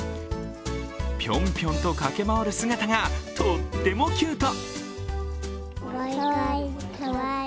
ぴょんぴょんと駆け回る姿がとってもキュート。